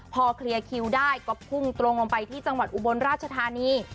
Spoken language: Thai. พอเคลียร์คิวได้ก็พุ่งตรงลงไปที่จังหวัดอุบลราชธานี